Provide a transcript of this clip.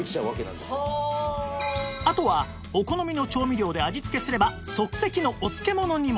あとはお好みの調味料で味付けすれば即席のお漬物にも